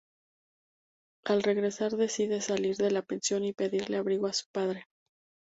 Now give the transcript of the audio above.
Al regresar decide salir de la pensión y pedir abrigo a su padre.